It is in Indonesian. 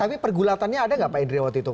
tapi pergulatannya ada nggak pak indri waktu itu